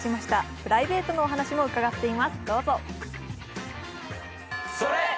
プライベートのお話も伺っています、どうぞ。